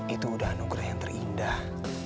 itu udah anugerah yang terindah